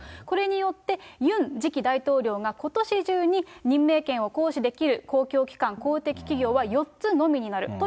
これによって、ユン次期大統領がことし中に任命権を行使できる公共機関、公的企業は４つのみになる。